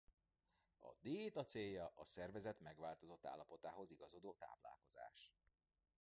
A diéta célja a szervezet megváltozott állapotához igazodó táplálkozás.